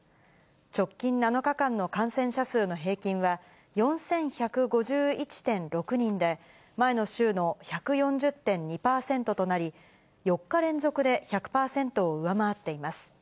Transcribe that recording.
直近７日間の感染者数の平均は４１５１．６人で、前の週の１４０．２％となり、４日連続で１００％を上回っています。